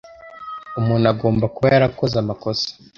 Umuntu agomba kuba yarakoze amakosa.